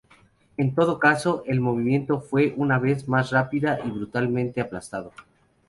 En todo caso, el movimiento fue una vez más rápida y brutalmente aplastado.